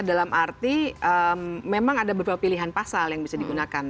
dalam arti memang ada beberapa pilihan pasal yang bisa digunakan